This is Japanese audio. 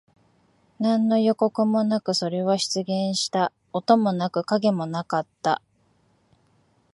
何の予告もなく、それは出現した。音もなく、影もなかった。